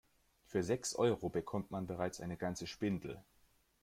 Für sechs Euro bekommt man bereits eine ganze Spindel.